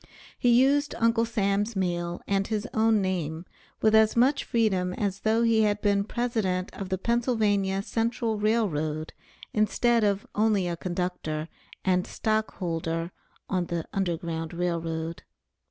He used Uncle Sam's mail, and his own name, with as much freedom as though he had been President of the Pennsylvania Central Rail Road, instead of only a conductor and stock holder on the Underground Rail Road.